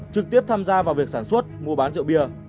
trực tiếp tham gia vào việc sản xuất mua bán rượu bia